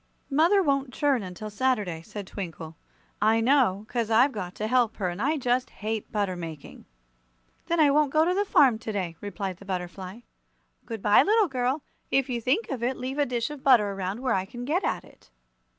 "Mother won't churn until Saturday," said Twinkle. "I know, 'cause I've got to help her, and I just hate butter making!" "Then I won't go to the farm to day," replied the butterfly. "Good bye, little girl. If you think of it, leave a dish of butter around where I can get at it."